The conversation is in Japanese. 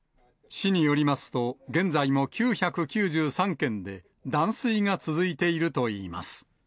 市によりますと、現在も９９３軒で断水が続いているといいます。